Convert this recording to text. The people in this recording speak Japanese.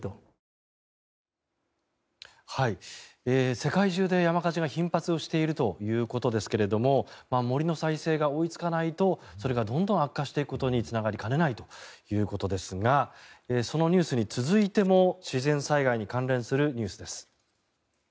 世界中で山火事が頻発しているということですが森の再生が追いつかないとそれがどんどん悪化していくことにつながりかねないということですがこの「ビアボール」ってなに？